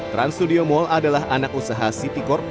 trans studio mall adalah anak usaha city corp